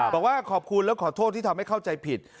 บอกว่าขอบคุณและขอโทษที่ทำให้เข้าใจผิด